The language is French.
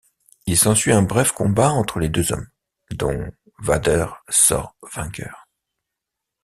Il s'ensuit un bref combat entre les deux hommes, dont Vader sort vainqueur.